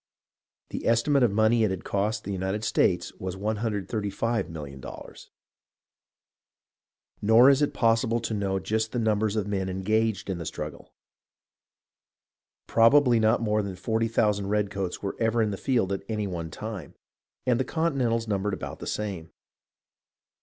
The esti mate of the money it had cost the United States was $135,000,000. Nor is it possible to know just the numbers of men engaged in the struggle. Probably not more than forty thousand redcoats were ever in the field at any one time, and the Continentals numbered about the same.